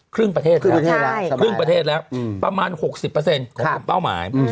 ครึ่งประเทศครับครึ่งประเทศแล้วประมาณ๖๐เป้าหมาย